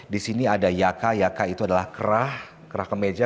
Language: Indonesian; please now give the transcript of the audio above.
di sini ada yaka yaka itu adalah kerah kerah kemeja